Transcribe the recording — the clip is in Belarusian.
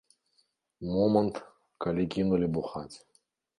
Момант, калі кінулі бухаць.